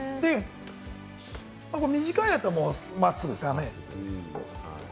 短いやつは真っすぐですよね。